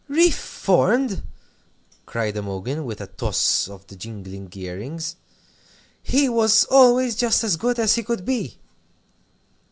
"Reformed!" cried Imogen, with a toss of the jingling ear rings. "He was always just as good as he could be!"